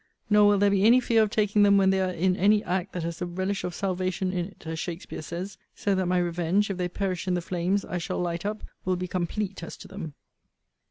Nor will there be any fear of taking them when they are in any act that has the relish of salvation in it, as Shakspeare says so that my revenge, if they perish in the flames I shall light up, will be complete as to them.